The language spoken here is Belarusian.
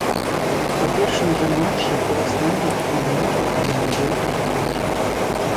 У першым жа матчы ў аснове адзначыўся галявой перадачай.